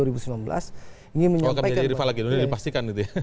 oh akan jadi rival lagi ini dipastikan gitu ya